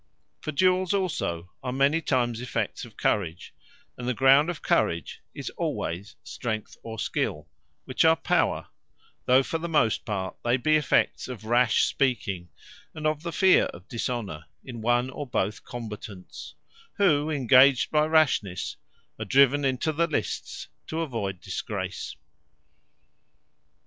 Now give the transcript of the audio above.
For Duels also are many times effects of Courage; and the ground of Courage is alwayes Strength or Skill, which are Power; though for the most part they be effects of rash speaking, and of the fear of Dishonour, in one, or both the Combatants; who engaged by rashnesse, are driven into the Lists to avoyd disgrace.